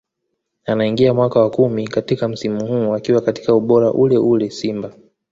Anaingia mwaka wa kumi katika msimu huu akiwa katika ubora ule ule Simba